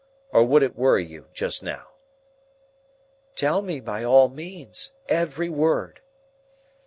Or would it worry you just now?" "Tell me by all means. Every word."